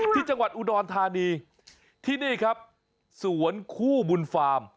ที่จังหวัดอุดรธานีที่นี่ครับสวนคู่บุญฟาร์ม